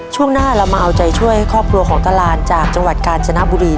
ช่วงหน้าเรามาเอาใจช่วยครอบครัวของตารานจากจังหวัดกาญจนบุรี